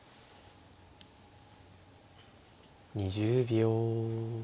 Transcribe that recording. ２０秒。